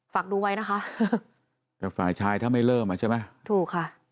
ฝากดูไว้นะคะแต่ฝ่ายชายถ้าไม่เริ่มอ่ะใช่ไหมถูกค่ะ